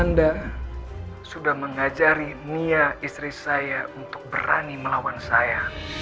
anda sudah mengajari mia istri saya untuk berani melawan saya